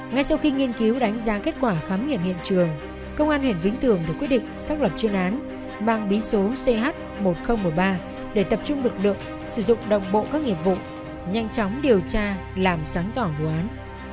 ngay sau khi nghiên cứu đánh giá kết quả khám nghiệm hiện trường công an huyện vĩnh tường được quyết định xác lập chuyên án mang bí số ch một nghìn một mươi ba để tập trung lực lượng sử dụng đồng bộ các nghiệp vụ nhanh chóng điều tra làm sáng tỏ vụ án